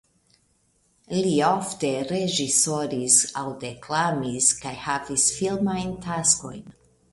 Li ofte reĝisoris aŭ deklamis kaj havis filmajn taskojn.